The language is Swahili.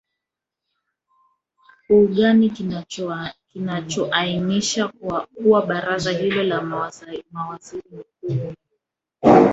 u gani kinachoainisha kuwa baraza hilo la mawaziri ni kubwa